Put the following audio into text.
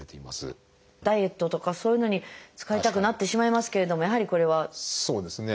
ダイエットとかそういうのに使いたくなってしまいますけれどもやはりこれは駄目ですね。